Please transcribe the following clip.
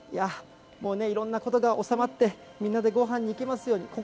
もうね、いろんなことが収まって、みんなでごはんに行けますように。